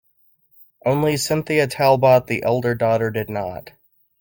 Only Cynthia Talbot, the elder daughter, did not.